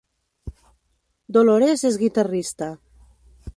Dolores és guitarrista